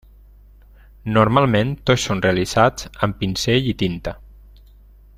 Normalment, tots són realitzats amb pinzell i tinta.